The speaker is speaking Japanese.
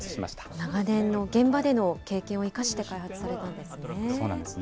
長年の現場での経験を生かして開発されたんですね。